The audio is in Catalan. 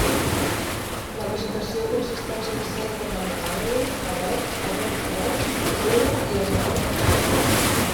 La vegetació consisteix en cedre de l'Himàlaia, avet, avet roig, roure i azalees.